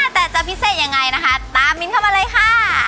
แต่จะพิเศษยังไงนะคะตามมินเข้ามาเลยค่ะ